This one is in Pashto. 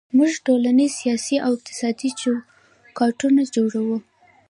موږ ټولنیز، سیاسي او اقتصادي چوکاټونه جوړوو.